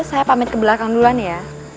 saya pamit ke belakang duluan ya